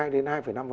hai đến hai năm